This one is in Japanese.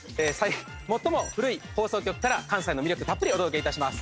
最も古い放送局から関西の魅力たっぷりお届けいたします